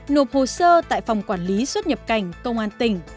nộp hồ sơ tại phòng quản lý xuất nhập cảnh công an tỉnh